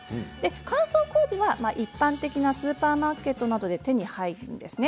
乾燥こうじは一般的なスーパーマーケットなどで手に入ります。